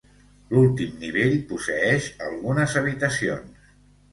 L'últim nivell posseeix algunes habitacions.